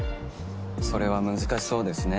それは難しそうですね。